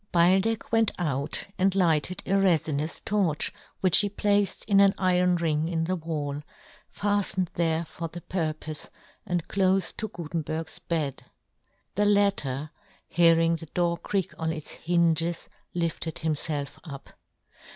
Beildech went out and lighted a refinous torch, which he placed in an iron ring in the wall, fattened there for the pur pofe, and clofe to Gutenberg's bed. The latter hearing the door creak on its hinges lifted himfelf up.